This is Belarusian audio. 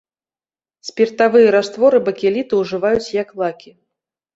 Спіртавыя растворы бакеліту ўжываюць як лакі.